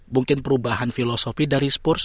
mungkin perubahan filosofi dari spurs